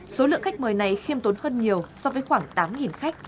số lượng khách mời này khiêm tốn hơn nhiều so với khoảng tám khách